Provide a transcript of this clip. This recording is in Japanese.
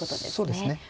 そうですね。